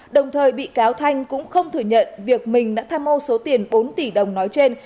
đồng thời bị cáo thanh cũng không thừa nhận việc mình đã tham ô số tiền bốn tỷ đồng nói trên